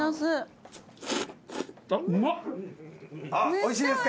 おいしいですか？